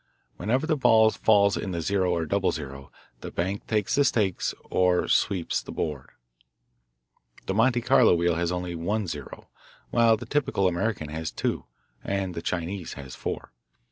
Whenever the ball falls in the "0" or "00" the bank takes the stakes, or sweeps the the board. The Monte Carlo wheel has only one "0," while the typical American has two, and the Chinese has four.